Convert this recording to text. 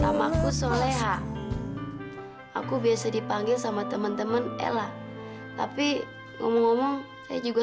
nama aku soleha aku biasa dipanggil sama temen temen ella tapi ngomong ngomong juga